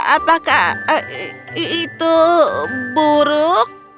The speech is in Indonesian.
apakah itu buruk